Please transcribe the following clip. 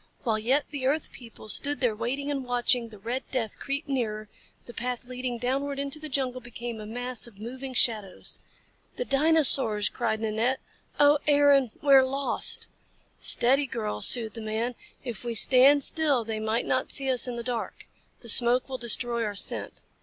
While yet the earth people stood there waiting and watching the red death creep nearer, the path leading downward into the jungle became a mass of moving shadows. "The dinosaurs!" cried Nanette. "Oh, Aaron! We are lost!" "Steady, girl," soothed the man. "If we stand still they might not see us in the dark. The smoke will destroy our scent."